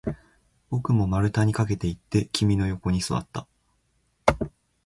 僕も丸太に駆けていって、君の横に座った